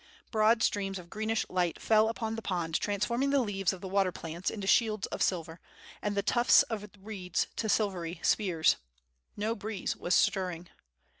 Broad streams of greenish light fell upon the pond transforming the leaves of the water plants into shields of silver, and the tufts of reeds to silvery spears. No breeze was stirring.